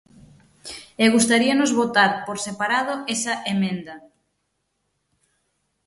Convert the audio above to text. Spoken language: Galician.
E gustaríanos votar por separado esa emenda.